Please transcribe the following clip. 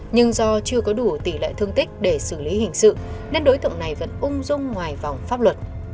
nhưng do chưa có đủ tỷ lệ thương tích để xử lý hình sự nên đối tượng này vẫn ung dung ngoài vòng pháp luật